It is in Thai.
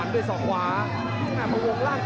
ตี